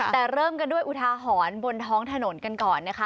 แต่เริ่มกันด้วยอุทาหรณ์บนท้องถนนกันก่อนนะคะ